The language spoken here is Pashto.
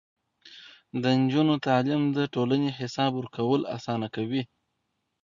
د نجونو تعليم د ټولنې حساب ورکول اسانه کوي.